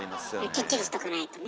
きっちりしとかないとね。